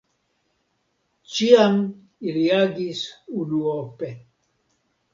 Ĉiam ili agis unuope.